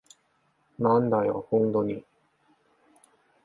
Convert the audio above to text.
なんだよ、ホントに。